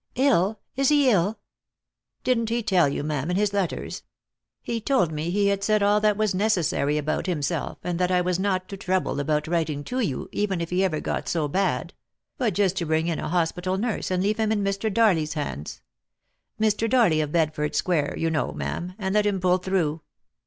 "Ill— is he ill?" " Didn't he tell you, ma'am, in his letters P He told me he had said all that was necessary about himself, and that I was not to trouble about writing to you even if he got ever so bad ; but just to bring in a hospital nurse, and leave him in Mr. Darley's hands — Mr. Darley of Bedford square, you know, ma'am — and let him pull through."